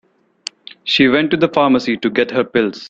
She went to the pharmacy to get her pills.